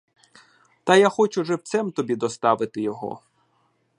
Та я хочу живцем тобі доставити його.